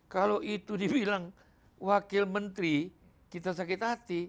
kalau itu dibilang wakil menteri kita sakit hati